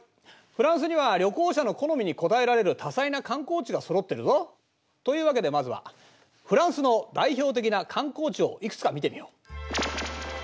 フランスには旅行者の好みに応えられる多彩な観光地がそろっているぞ。というわけでまずはフランスの代表的な観光地をいくつか見てみよう。